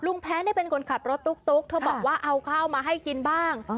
แพ้เป็นคนขับรถตุ๊กเธอบอกว่าเอาข้าวมาให้กินบ้าง